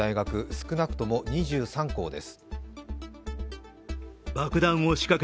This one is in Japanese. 少なくとも２３校です。